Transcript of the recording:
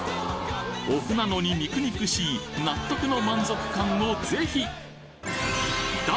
お麩なのに肉々しい納得の満足感をぜひ！